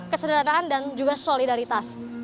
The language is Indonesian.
kesederhanaan dan juga solidaritas